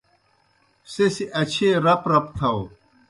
سہ سیْ اچھیئے رَپ رَپ تھاؤ۔